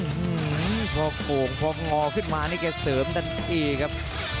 อืมพอโก่งพองอขึ้นมานี่แกเสริมทันทีครับ